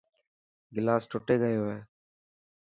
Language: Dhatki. گلاس ٽٽي گيو هي.